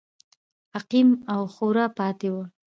عقیم او خوار پاتې و.